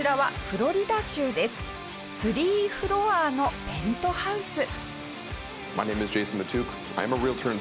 ３フロアのペントハウス。